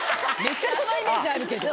めっちゃそのイメージあるけど。